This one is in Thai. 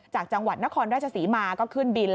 จากจังหวัดนครราชศรีมาก็ขึ้นบิน